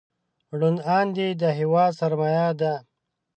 روڼ اندي د هېواد سرمایه ده.